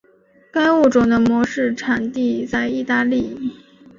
该物种的模式产地在意大利。